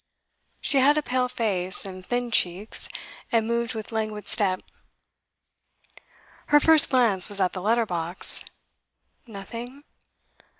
She had a pale face, and thin cheeks, and moved with languid step. Her first glance was at the letter box. 'Nothing?